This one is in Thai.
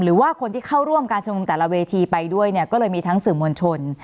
หรือว่าคนที่เข้าร่วมการชุมนุมแต่ละเวทีไปด้วยเนี่ยก็เลยมีทั้งสื่อมวลชน